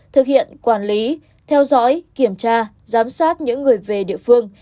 thực hiện quản lý theo dõi kiểm tra giám sát những người về địa phương